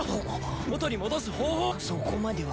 元に戻す方法は？